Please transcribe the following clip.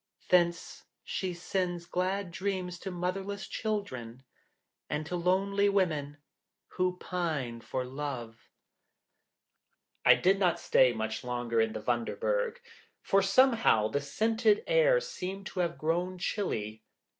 Thence she sends glad dreams to motherless children, and to lonely women who pine for love." I did not stay much longer in the Wunderberg, for somehow the scented air seemed to have grown chilly.